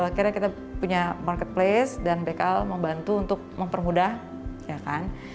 akhirnya kita punya marketplace dan back out membantu untuk mempermudah ya kan